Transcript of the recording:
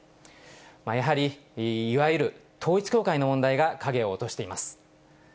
やはり、いわゆる統一教会の問題が影を落としています。